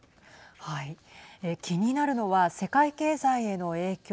気になるのは世界経済への影響。